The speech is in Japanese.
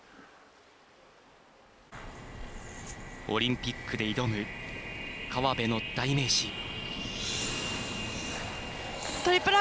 オリンピックで挑む河辺の代名詞。